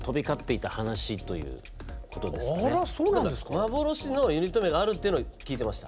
幻のユニット名があるっていうのは聞いてました。